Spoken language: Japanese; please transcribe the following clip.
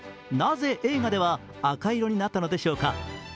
なぜ映画では赤色になったのでしょうか？